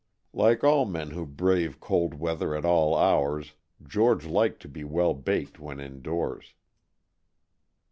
Like all men who brave cold weather at all hours George liked to be well baked when in doors.